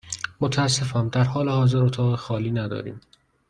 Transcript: متأسفم، در حال حاضر اتاق خالی نداریم.